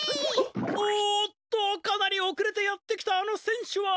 おっとかなりおくれてやってきたあのせん手は。